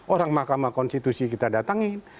orang mahkamah konstitusi kita datangin